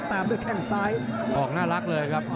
ตามด้วยแข้งซ้ายออกน่ารักเลยครับ